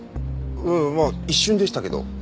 ええまあ一瞬でしたけど。